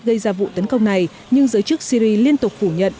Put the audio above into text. gây ra vụ tấn công này nhưng giới chức syri liên tục phủ nhận